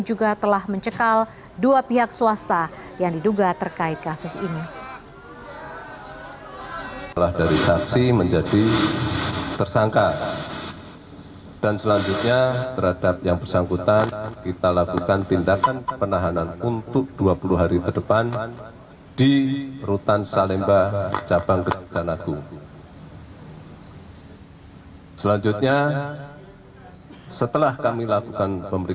juga telah mencekal dua pihak swasta yang diduga terkait kasus ini